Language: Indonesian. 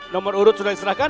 nomor urut sudah diserahkan